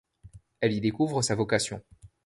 Elle y découvre sa vocation.